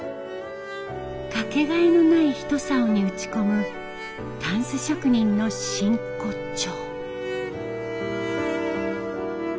かけがえのないひとさおに打ち込むたんす職人の真骨頂。